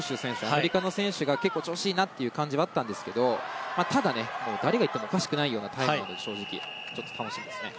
アメリカの選手が結構調子がいいなという感じがしたんですがただ、誰がいってもおかしくないタイムなので楽しみですね。